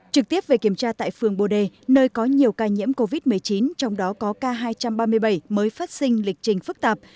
trực tiếp về kiểm tra tại phường bồ đề nơi có nhiều ca nhiễm covid một mươi chín trong đó có ca hai trăm ba mươi bảy mới phát sinh lịch trình phức tạp